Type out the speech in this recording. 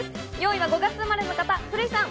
４位は５月生まれの方、古井さん。